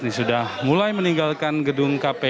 ini sudah mulai meninggalkan gedung kpk